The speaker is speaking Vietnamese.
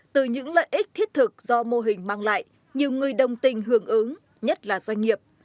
từ những lợi ích thiết thực do mô hình mang lại nhiều người đồng tình hưởng ứng nhất là doanh nghiệp